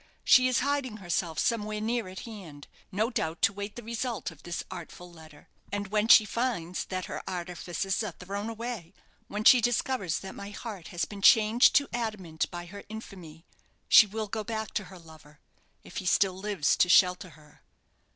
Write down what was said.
She is hiding herself somewhere near at hand, no doubt to wait the result of this artful letter. And when she finds that her artifices are thrown away when she discovers that my heart has been changed to adamant by her infamy she will go back to her lover, if he still lives to shelter her."